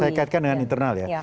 saya kaitkan dengan internal ya